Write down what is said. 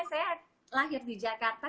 saya lahir di jakarta